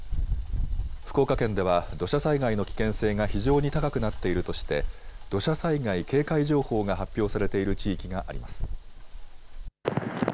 福岡県では土砂災害の危険性が非常に高くなっているとして土砂災害警戒情報が発表されている地域があります。